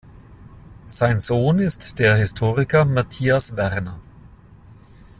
Sein Sohn ist der Historiker Matthias Werner.